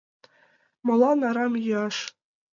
Молан арам йӱаш?